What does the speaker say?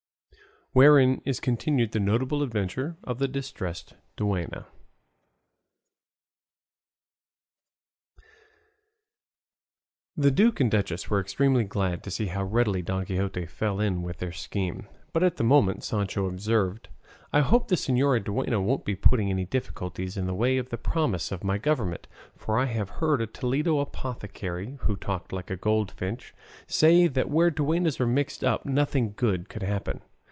WHEREIN IS CONTINUED THE NOTABLE ADVENTURE OF THE DISTRESSED DUENNA The duke and duchess were extremely glad to see how readily Don Quixote fell in with their scheme; but at this moment Sancho observed, "I hope this señora duenna won't be putting any difficulties in the way of the promise of my government; for I have heard a Toledo apothecary, who talked like a goldfinch, say that where duennas were mixed up nothing good could happen.